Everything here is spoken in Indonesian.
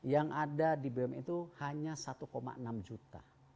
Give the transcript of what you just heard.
yang ada di bumn itu hanya satu enam juta